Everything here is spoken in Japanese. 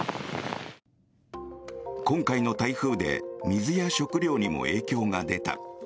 今回の台風で水や食料にも影響が出た。